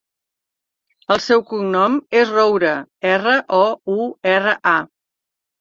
El seu cognom és Roura: erra, o, u, erra, a.